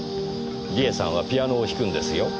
梨絵さんはピアノを弾くんですよ？